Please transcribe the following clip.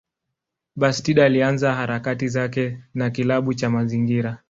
Bastida alianza harakati zake na kilabu cha mazingira.